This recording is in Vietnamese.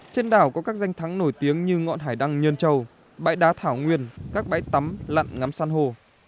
trên đảo có các danh thắng nổi tiếng như ngọn hải đăng nhân châu bãi đá thảo nguyên các bãi tắm lặn ngắm săn hồ